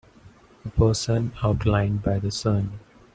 A person outlined by the sun